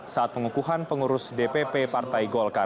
saat pengukuhan pengurus dpp partai golkar